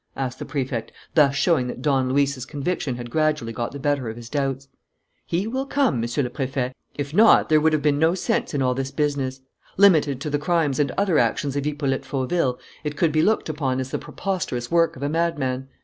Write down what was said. asked the Prefect, thus showing that Don Luis's conviction had gradually got the better of his doubts. "He will come, Monsieur le Préfet. If not, there would have been no sense in all this business. Limited to the crimes and other actions of Hippolyte Fauville, it could be looked upon as the preposterous work of a madman.